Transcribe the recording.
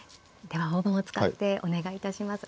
大盤を使ってお願いいたします。